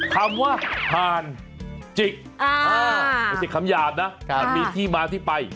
ค่ะคำว่าหาลจิกอ่าคำหยาดน่ะค่ะมีที่มาที่ไป